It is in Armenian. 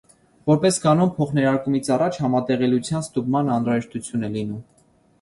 Որպես կանոն, փոխներարկումից առաջ համատեղելիության ստուգման անհրաժեշտություն է լինում։